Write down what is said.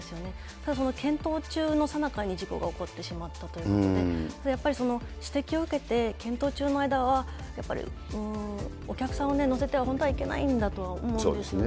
ただその検討中のさなかに事故が起こってしまったということで、やっぱり指摘を受けて、検討中の間は、やっぱりお客さんを乗せては本当はいけないんだとは思うんですよね。